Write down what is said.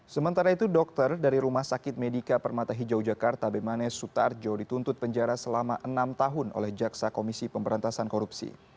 sementara itu dokter dari rumah sakit medika permata hijau jakarta bimanes sutarjo dituntut penjara selama enam tahun oleh jaksa komisi pemberantasan korupsi